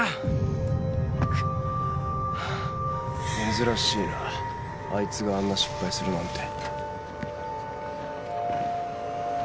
珍しいなあいつがあんな失敗するなんて。